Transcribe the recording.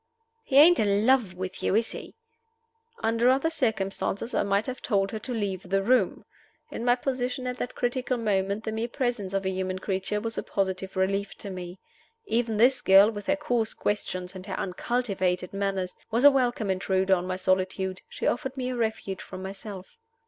"He ain't in love with you, is he?" Under other circumstances I might have told her to leave the room. In my position at that critical moment the mere presence of a human creature was a positive relief to me. Even this girl, with her coarse questions and her uncultivated manners, was a welcome intruder on my solitude: she offered me a refuge from myself.